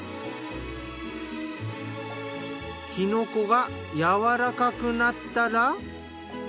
きのこがやわらかくなったら。